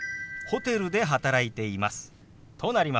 ホテルで働いています。